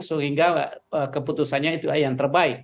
sehingga keputusannya itu yang terbaik